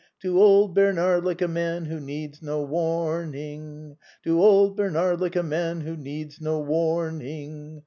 To old Bernard, like a man who needs no warning. To old Bernard, like a man who needs no warning.